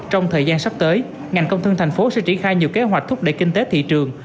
trong thời gian sắp tới ngành công thương thành phố sẽ triển khai nhiều kế hoạch thúc đẩy kinh tế thị trường